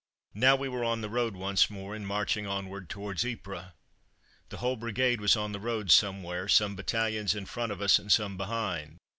Now we were on the road once more, and marching on towards Ypres. The whole brigade was on the road somewhere, some battalions in front of us and some behind.